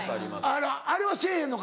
あれはせぇへんのか？